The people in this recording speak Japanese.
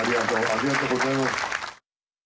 ありがとうございます。